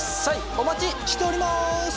お待ちしております！